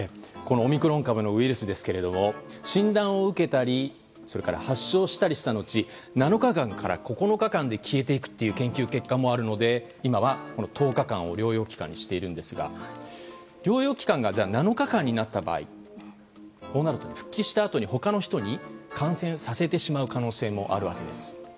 オミクロン株のウイルスですが診断を受けたりそれから発症したの後７日間から９日間で消えていくという研究結果もあるので今は１０日間を療養期間にしていますが療養期間が７日間になった場合こうなると復帰したあとに他の人に感染させてしまう可能性もあるわけです。